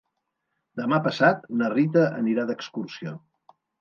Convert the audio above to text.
Demà passat na Rita anirà d'excursió.